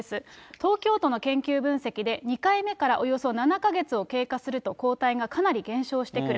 東京都の研究分析で２回目からおよそ７か月を経過すると、抗体がかなり減少してくる。